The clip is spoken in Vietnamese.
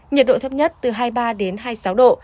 nhiệt độ thấp nhất từ hai mươi ba đến hai mươi sáu độ